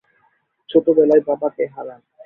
ছোটবেলায় বাবাকে হারান।